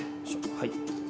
はい。